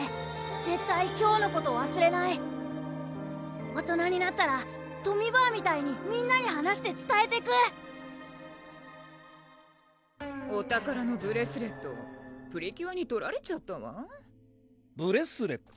絶対今日のことわすれない大人になったらとみ婆みたいにみんなに話してつたえてくお宝のブレスレットプリキュアに取られちゃったわブレスレット？